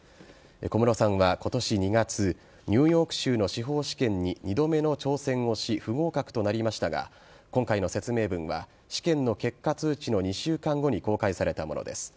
小室さんは今年２月ニューヨーク州の司法試験に２度目の挑戦をし不合格となりましたが今回の説明文は試験の結果通知の２週間後に公開されたものです。